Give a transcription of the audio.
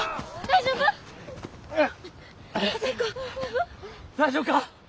大丈夫か？